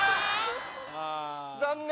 残念。